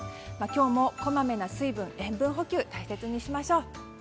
今日もこまめな水分・塩分補給を大切にしましょう。